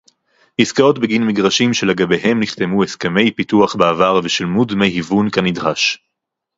עסקאות בגין מגרשים שלגביהם נחתמו הסכמי פיתוח בעבר ושולמו דמי היוון כנדרש